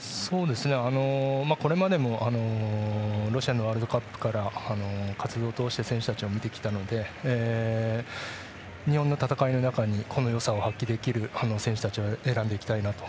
これまでもロシアのワールドカップから活動を通して選手たちを見てきたので日本の戦いの中にこのよさを発揮できる選手たちを選んでいきたいなと。